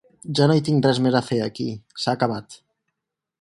Ja no hi tinc res més a fer aquí; s'ha acabat.